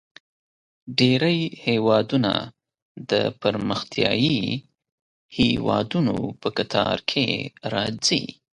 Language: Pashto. ډیری هیوادونه د پرمختیايي هیوادونو په کتار کې راځي.